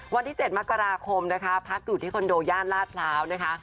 วันที่๗มกราคมนะคะพักอยู่ที่คอนโดย่านลาดพร้าวนะคะ